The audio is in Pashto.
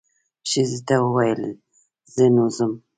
ښځې ته یې وویل زه نو ځم.